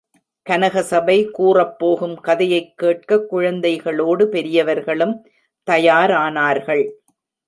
கனகசபை கூறப்போகும் கதையை கேட்க குழந்தைகளோடு பெரியவர்களும் தயாரானார்கள்.